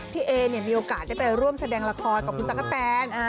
เอมีโอกาสได้ไปร่วมแสดงละครกับคุณตั๊กกะแตน